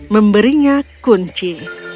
memberi anjing ungu